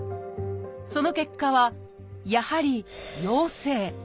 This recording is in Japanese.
その結果はやはり「陽性」。